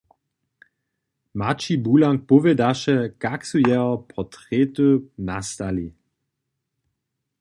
Maćij Bulank powědaše, kak su jeho portrety nastali.